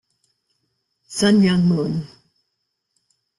Sun Myung Moon.